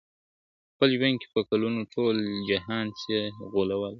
په خپل ژوند کي په کلونو، ټول جهان سې غولولای ,